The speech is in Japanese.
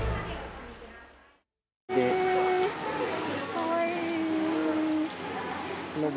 かわいい。